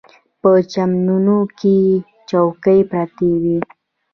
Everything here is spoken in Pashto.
په چمنونو کې چوکۍ پرتې وې.